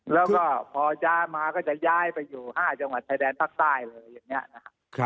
แล้วก็พอจะมาก็จะย้ายไปอยู่๕จังหวัดชายแดนภาคใต้เลยอย่างนี้นะครับ